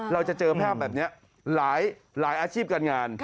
เราจะเจอภาพแบบนี้หลายอาชีพการงาน